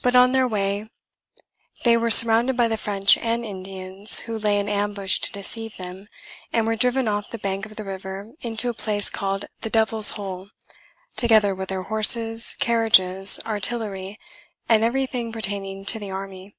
But on their way they were surrounded by the French and Indians, who lay in ambush to deceive them, and were driven off the bank of the river into a place called the "Devil's Hole," together with their horses, carriages, artillery, and every thing pertaining to the army.